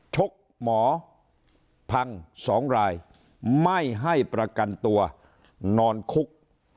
ชกหมอพัง๒รายไม่ให้ประกันตัวนอนคุก